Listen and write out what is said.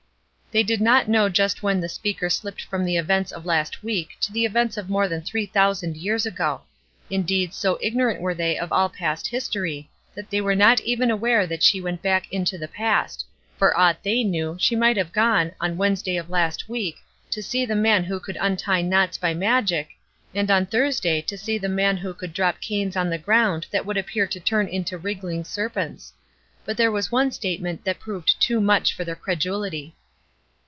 They did not know just when the speaker slipped from the events of last week to the events of more than three thousand years ago. Indeed, so ignorant were they of all past history, that they were not even aware that she went back into the past; for aught they knew, she might have gone, on Wednesday of last week to see the man who could untie knots by magic, and on Thursday to see the men who could drop canes on the ground that would appear to turn into wriggling serpents. But there was one statement that proved too much for their credulity.